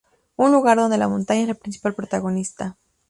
Un lugar donde la montaña es la principal protagonista.